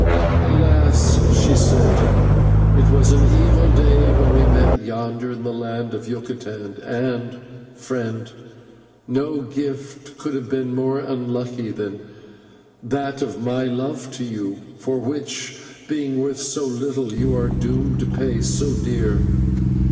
"Alas!" she said, "it was an evil day when we met yonder in the land of Yucatan, and, friend, no gift could have been more unlucky than that of my love to you, for which, being worth so little, you are doomed to pay so dear.